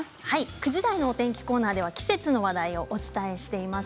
９時台のお天気コーナーでは季節の話題をお伝えしています。